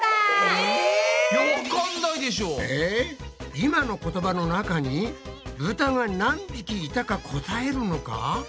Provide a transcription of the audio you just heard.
今の言葉の中にブタが何匹いたか答えるのか？